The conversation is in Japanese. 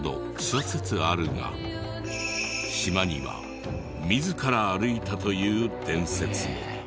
諸説あるが島には自ら歩いたという伝説も。